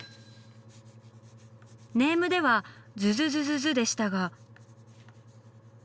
ネームでは「ズズズズズ」でしたが。